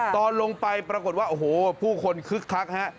ตอนลงไปปรากฏว่าโอ้โหผู้คนคึกคักฮะ